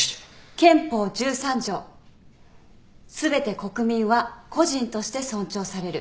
憲法１３条すべて国民は個人として尊重される。